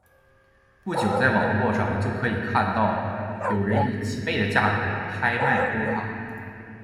不久在网络上就可以看到有人以几倍的价格拍卖波卡。